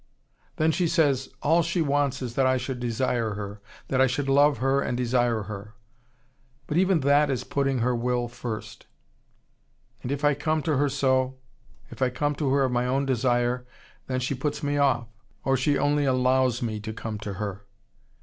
Then she says, all she wants is that I should desire her, that I should love her and desire her. But even that is putting her will first. And if I come to her so, if I come to her of my own desire, then she puts me off. She puts me off, or she only allows me to come to her.